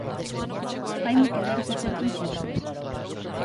Faime querer tecerte un xersei.